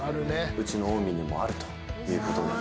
うちのオウミにもあるということに。